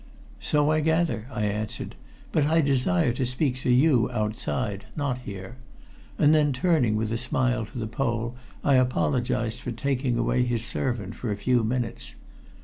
"So I gather," I answered. "But I desire to speak to you outside not here." And then turning with a smile to the Pole, I apologized for taking away his servant for a few minutes.